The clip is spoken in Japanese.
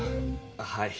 はい。